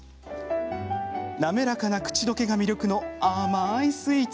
滑らかな口溶けが魅力の甘いスイーツ。